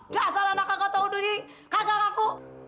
dah asal anak kakak tau duit ini kakak kakakku